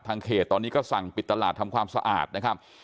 เขตตอนนี้ก็สั่งปิดตลาดทำความสะอาดนะครับ